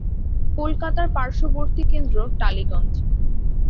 কলকাতার পাশ্ববর্তী কেন্দ্র টালিগঞ্জ।